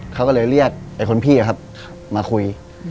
เขาก็เลยเรียกไอ้คนพี่ครับมาคุย